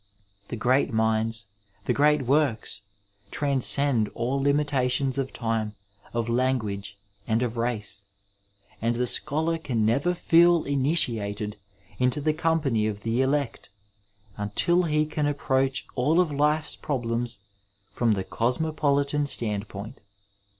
The great minds, the great works transcend all limitations of time, of language, and of race, and the scholar can never feel initiated into the company of the elect until he can approach all of life's problems from the cosmopolitan standpoint.